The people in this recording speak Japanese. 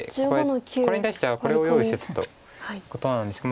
これに対してはこれを用意してたということなんですけど。